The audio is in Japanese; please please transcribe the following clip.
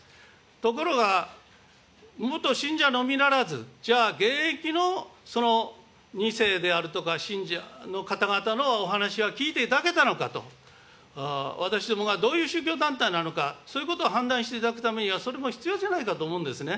ところが、元信者のみならず、じゃあ現役のその２世であるとか信者の方々のお話は聞いていただけたのかと、私どもがどういう宗教団体なのか、そういうことを判断していただくためには、それも必要じゃないかと思うんですね。